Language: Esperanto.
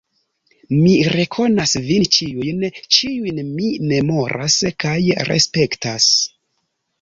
Mi rekonas vin ĉiujn, ĉiujn mi memoras kaj respektas.